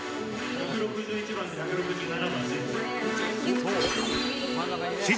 １６１番、１６７番、前後。